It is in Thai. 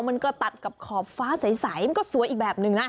มันก็ตัดกับขอบฟ้าใสมันก็สวยอีกแบบนึงนะ